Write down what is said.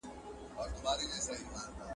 علم د ناپوهۍ تیاره له منځه وړي.